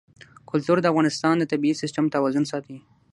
کلتور د افغانستان د طبعي سیسټم توازن ساتي.